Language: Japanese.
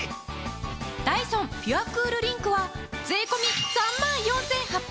ダイソンピュアクールリンクは税込３万４８００円！